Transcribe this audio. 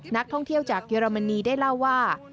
นักท่องเที่ยวจากเยอรมนีได้เล่าว่า